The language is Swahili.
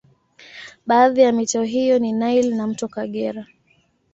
Baadhi ya mito hiyo ni Nile na mto Kagera